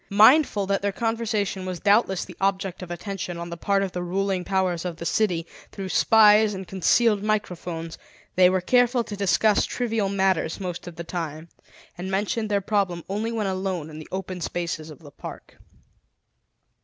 Mindful that their conversation was doubtless the object of attention on the part of the ruling powers of the city through spies and concealed microphones, they were careful to discuss trivial matters most of the time, and mentioned their problem only when alone in the open spaces of the park.